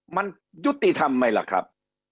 มันยุติธรรมไหมล่ะครับ